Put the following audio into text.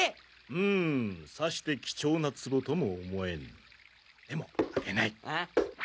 うーむさして貴重な壺とも思えぬでもあげないあ？